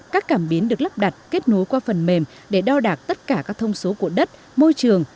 các cảm biến được lắp đặt kết nối qua phần mềm để đo đạc tất cả các thông số của đất môi trường